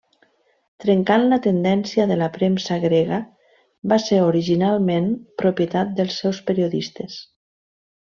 Trencant la tendència de la premsa grega, va ser originalment propietat dels seus periodistes.